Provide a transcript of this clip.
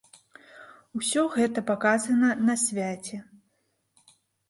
Усё гэта паказана на свяце.